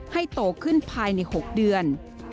โตขึ้นภายใน๖เดือน